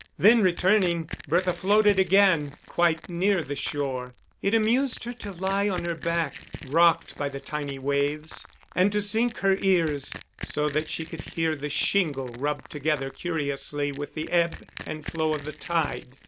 Then, returning, Bertha floated again, quite near the shore; it amused her to lie on her back, rocked by the tiny waves, and to sink her ears so that she could hear the shingle rub together curiously with the ebb and flow of the tide.